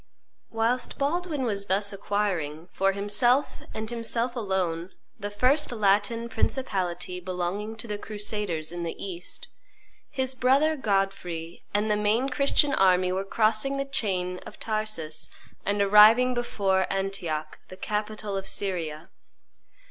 Whilst Baldwin was thus acquiring, for himself and himself alone, the first Latin principality belonging to the crusaders in the East, his brother Godfrey and the main Christian army were crossing the chain of Taurus and arriving before Antioch, the capital of Syria.